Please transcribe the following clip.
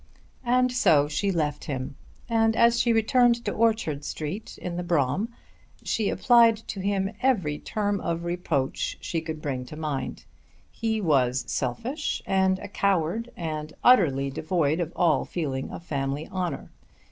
And so she left him, and as she returned to Orchard Street in the brougham, she applied to him every term of reproach she could bring to mind. He was selfish, and a coward, and utterly devoid of all feeling of family honour.